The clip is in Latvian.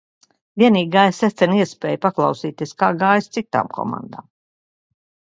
Vienīgi gāja secen iespēja paklausīties, kā gājis citām komandām.